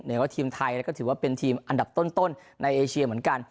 ว่าทีมไทยก็ถือว่าเป็นทีมอันดับต้นในเอเชียเหมือนกัน